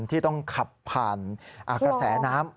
ที่ต้องขับผ่านกระแสน้ำ